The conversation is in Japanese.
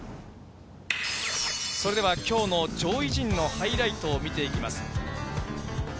それでは、きょうの上位陣のハイライトを見ていきます。